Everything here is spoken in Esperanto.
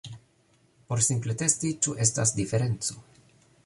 Por simple testi ĉu estas diferenco